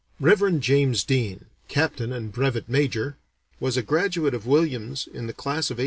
Rev. James Deane, Captain and Brevet Major, was a graduate of Williams in the class of 1857.